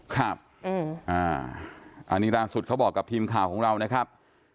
ครับอันนี้ล่าสุดเขาบอกกับทีมข่าวของเรานะครับ